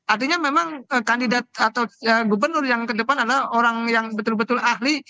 artinya memang kandidat atau gubernur yang ke depan adalah orang yang betul betul ahli